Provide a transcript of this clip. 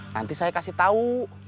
nanti saya kasih tau